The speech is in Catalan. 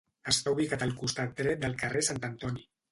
Està ubicat al costat dret del carrer Sant Antoni.